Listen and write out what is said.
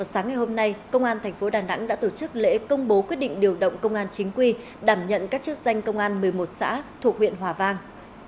sáng ngày hôm nay công an tp đà nẵng đã tổ chức lễ công bố quyết định điều động công an chính quy đảm nhận các chức danh công an một mươi một xã thuộc huyện hòa vang